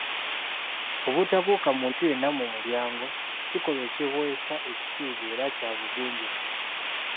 Obutabuuka muntu yenna mu mulyango kikolwa ekiweesa ekitiibwa era kya bugunjufu.